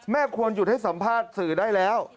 ควรหยุดให้สัมภาษณ์สื่อได้แล้ว